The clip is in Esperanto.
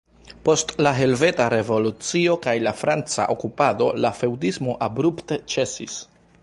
Post la helveta revolucio kaj la franca okupado la feŭdismo abrupte ĉesis.